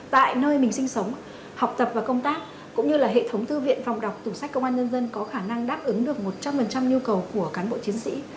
tại nơi mình sinh sống học tập và công tác cũng như là hệ thống thư viện phòng đọc tủ sách công an nhân dân có khả năng đáp ứng được một trăm linh nhu cầu của cán bộ chiến sĩ